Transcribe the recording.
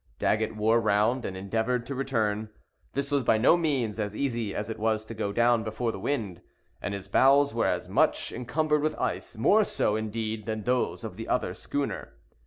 Daggett wore round, and endeavored to return. This was by no means as easy as it was to go down before the wind, and his bows were also much encumbered with ice; more so, indeed, than those of the other schooner.